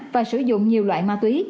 và sử dụng nhiều loại ma túy